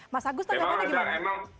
mas agus tanda tanda gimana